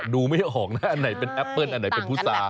ไม่ออกนะอันไหนเป็นแอปเปิ้ลอันไหนเป็นพุษา